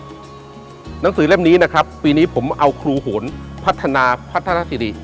หนังสือเล่มนี้นะครับปีนี้ผมเอาครูโหนพัฒนาพัฒนาสิริ